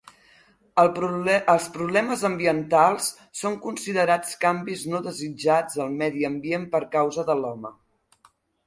Els problemes ambientals són considerats canvis no desitjats al medi ambient per causa de l’home.